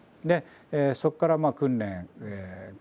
でそこから訓練